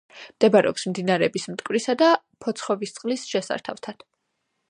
მდებარეობს მდინარეების მტკვრისა და ფოცხოვისწყლის შესართავთან.